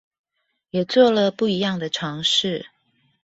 也做了不一樣的嘗試